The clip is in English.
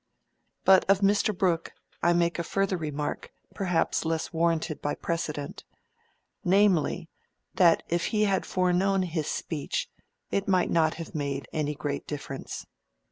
But of Mr. Brooke I make a further remark perhaps less warranted by precedent—namely, that if he had foreknown his speech, it might not have made any great difference.